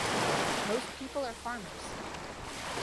Most people are farmers.